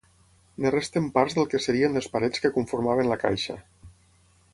En resten parts del que serien les parets que conformaven la caixa.